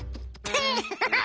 ヘハハハ。